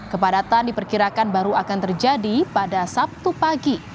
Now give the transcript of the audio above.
kepadatan diperkirakan baru akan terjadi pada sabtu pagi